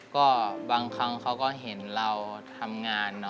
ก็บางครั้งเขาก็เห็นเราทำงาน